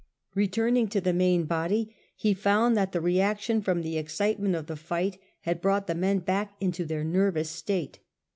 Hetuming to the main body he found that the re action from the excitement of the fight had brought the men back into their nervous state.